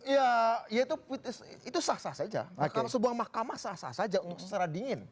ya itu sah sah saja kalau sebuah mahkamah sah sah saja secara dingin